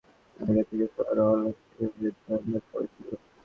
কাপড় শুকানোর তারের ওপর আগে থেকেই সবার অলক্ষ্যে বিদ্যুতের তার পড়ে ছিল।